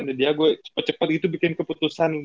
jadi ya gue cepet cepet gitu bikin keputusan gitu ya